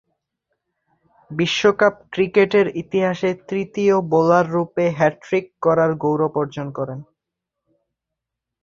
বিশ্বকাপ ক্রিকেটের ইতিহাসে তৃতীয় বোলাররূপে হ্যাট্রিক করার গৌরব অর্জন করেন।